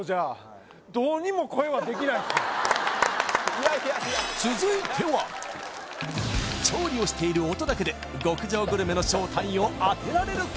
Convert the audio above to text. いやいやいや調理をしている音だけで極上グルメの正体を当てられるか？